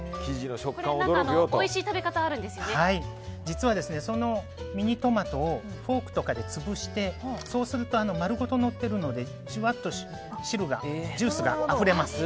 おいしい食べ方が実は、ミニトマトをフォークとかで潰してそうすると丸ごとのっているのでじゅわっと汁、ジュースがあふれます。